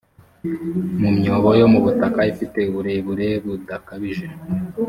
mu myobo yo mu butaka ifite uburebure budakabije